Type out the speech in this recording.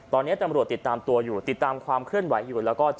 ตอนนี้ตำรวจติดตามตัวอยู่ติดตามความเคลื่อนไหวอยู่แล้วก็